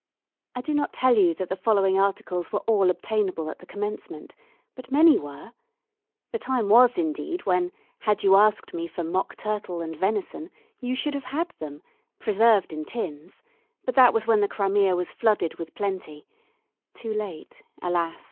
I do not tell you that the following articles were all obtainable at the commencement, but many were. The time was indeed when, had you asked me for mock turtle and venison, you should have had them, preserved in tins, but that was when the Crimea was flooded with plenty too late, alas!